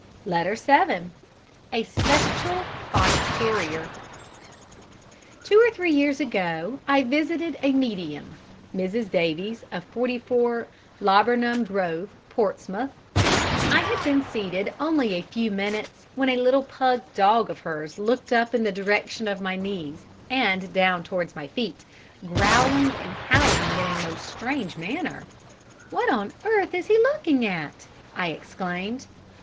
Letter 7 A Spectral Fox terrier Two or three years ago I visited a medium (Mrs. Davies of 44 Laburnum Grove, Portsmouth). I had been seated only a few minutes when a little pug dog of hers looked up in the direction of my knees and down towards my feet, growling and howling in a most strange manner. "What on earth is he looking at?" I exclaimed.